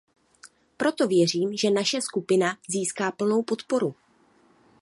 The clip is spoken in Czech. Proto věřím, že naše skupina získá plnou podporu.